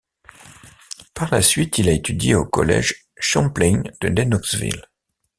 Par la suite il a étudié au collège Champlain de Lennoxville.